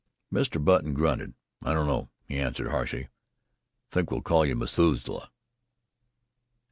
Mr. Button grunted. "I don't know," he answered harshly. "I think we'll call you Methuselah."